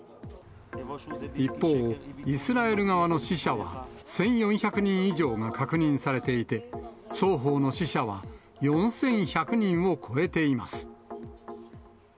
一方、イスラエル側の死者は１４００人以上が確認されていて、双方の死者は４１００人を超えています。